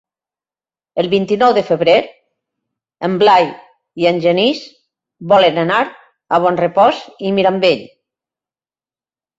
El vint-i-nou de febrer en Blai i en Genís volen anar a Bonrepòs i Mirambell.